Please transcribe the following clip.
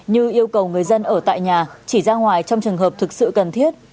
như yêu cầu người dân ở tại nhà chỉ ra ngoài trong trường hợp thực sự cần thiết